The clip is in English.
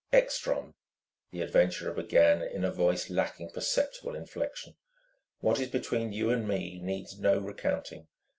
"Ekstrom," the adventurer began in a voice lacking perceptible inflection ... "what is between you and me needs no recounting.